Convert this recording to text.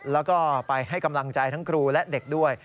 แล้วก็ไปให้กำลังใจทั้งครูและเด็กด้วย